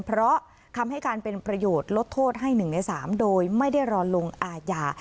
เพราะคำให้การเป็นประโยชน์ลดโทษให้๑ใน๓โดยไม่ได้รอลงอาญา